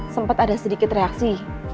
sempat ada sedikit reaksi